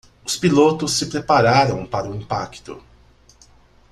Os pilotos se prepararam para o impacto.